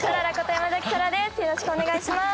よろしくお願いします。